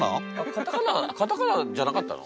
カタカナカタカナじゃなかったの？